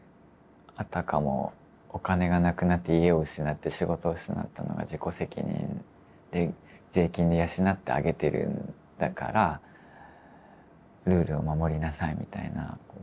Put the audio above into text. あたかもお金がなくなって家を失って仕事を失ったのは自己責任で税金で養ってあげてるんだからルールを守りなさいみたいな。